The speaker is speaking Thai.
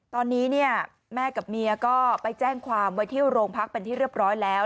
ตอนนี้เนี่ยแม่กับเมียก็ไปแจ้งความไว้ที่โรงพักเป็นที่เรียบร้อยแล้ว